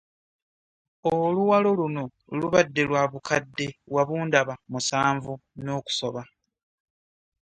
Oluwalo luno lubadde lwa bukadde wabundaba musanvu n'okusoba.